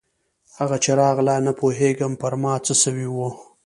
هغه چې راغله نه پوهېږم پر ما څه سوي وو.